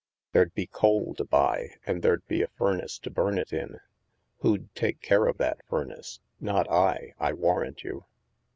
There'd be coal to buy, and there'd be a furnace to bum it in. Who'd take care of that furnace? Not I, I warrant you.